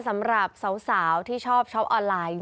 สำหรับสาวที่ชอบช้อปออนไลน์